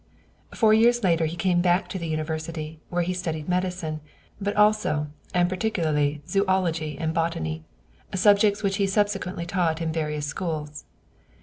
Four years later he came back to the University, where he studied medicine, but also and particularly zoölogy and botany, subjects which he subsequently taught in various schools.